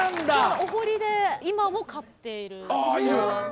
お堀で今も飼っているシカ。